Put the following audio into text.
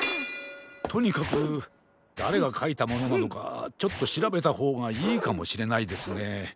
とにかくだれがかいたものなのかちょっとしらべたほうがいいかもしれないですね。